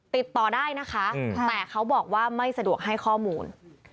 ติดต่อได้นะคะแต่เขาบอกว่าไม่สะดวกให้ข้อมูล